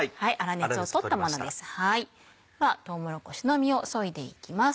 ではとうもろこしの実をそいでいきます。